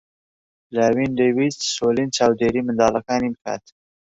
لاوین دەیویست سۆلین چاودێریی منداڵەکانی بکات.